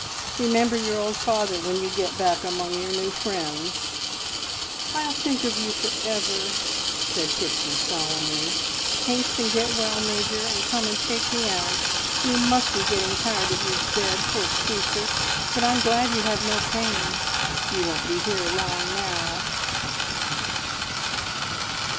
Remember your old father when you get back among your new friends!" "I'll think of you for ever!" said Pixie solemnly. "Haste and get well, Major, and come and take me out. You must be getting tired of your bed, poor creature, but I'm glad you have no pain! You won't be here long now."